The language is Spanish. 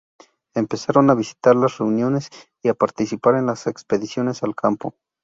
Empezaron a visitar las reuniones y a participar en las expediciones al campo.